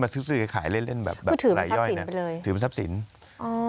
มันถือมันทรัพศิลป์